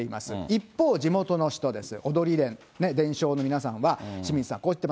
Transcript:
一方、地元の人です。